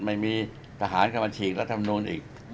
ไม่มีทหารเข้ามาฉีกรัฐมนูลอีก